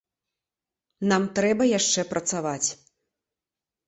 Нам трэба яшчэ працаваць.